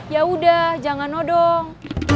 yaudah jangan nodong